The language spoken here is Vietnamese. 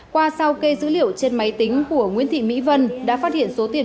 qua sau kê dữ liệu trên máy tính của nguyễn thị mỹ vân đã phát hiện số tiền